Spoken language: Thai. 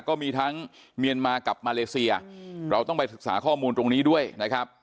ก็มีทั้งเมียนมากับมาเลเซียเราต้องไปศึกษาข้อมูลตรงนี้ด้วยนะครับ